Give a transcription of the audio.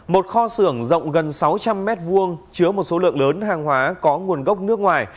một kho xưởng rộng gần sáu trăm linh m hai chứa một số lượng lớn hàng hóa có nguồn gốc nước ngoài